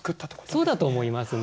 そうだと思いますね。